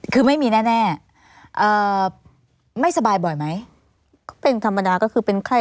คือไม่มีแน่แน่เอ่อไม่สบายบ่อยไหมก็เป็นธรรมดาก็คือเป็นไข้